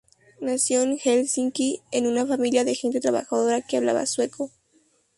Nació en Helsinki en una familia de gente trabajadora que hablaba sueco.